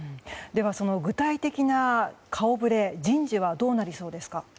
その具体的な顔ぶれ人事は、どうなりそうですか。